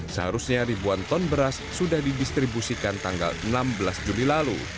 seharusnya ribuan ton beras sudah didistribusikan tanggal enam belas juli lalu